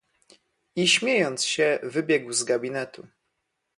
"I śmiejąc się, wybiegł z gabinetu."